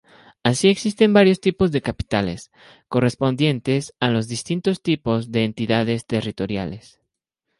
Así existen varios tipos de capitales, correspondientes a los distintos tipos de entidades territoriales.